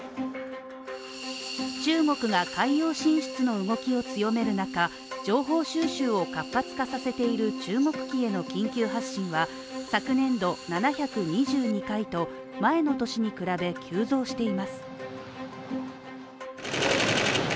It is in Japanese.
中国が海洋進出の動きを強める中、情報収集を活発化させている中国機への緊急発進は昨年度７２２回と前の年に比べ急増しています